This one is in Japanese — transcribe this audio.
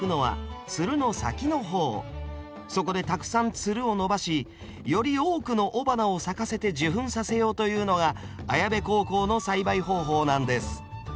そこでたくさんつるを伸ばしより多くの雄花を咲かせて受粉させようというのが綾部高校の栽培方法なんです。